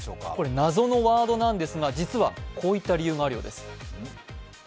謎のワードなんですが、実はこういった理由があるようです。